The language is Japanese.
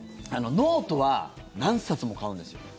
ノートは何冊も買うんですよ。